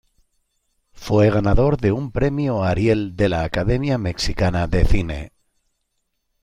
Fue ganador de un Premio Ariel de la Academia Mexicana de Cine.